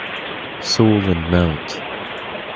Sole and Mt.